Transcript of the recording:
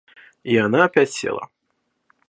И она опять села.